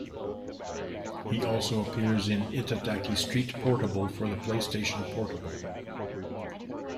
He also appears in "Itadaki Street Portable" for the PlayStation Portable.